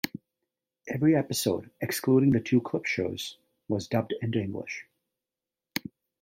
Every episode excluding the two clip shows was dubbed into English.